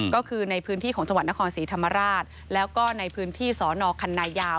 ก็คือในพื้นที่ของจังหวัดนครศรีธรรมราชแล้วก็ในพื้นที่สอนอคันนายาว